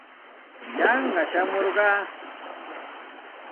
Yanqa shamurqaa.